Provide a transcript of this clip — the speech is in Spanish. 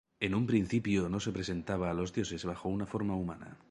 En un principio no se presentaba a los dioses bajo una forma humana.